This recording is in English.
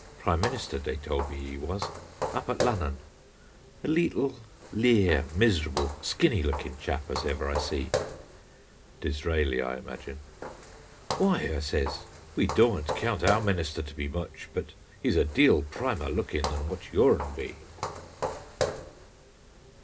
Prime minister, they told me he was, up at Lunnon; a leetle, lear, miserable, skinny looking chap as ever I see [Disraeli, I imagine]. 'Why,' I says, 'we dȯȧn't count our minister to be much, but he's a deal primer looking than what yourn be.'"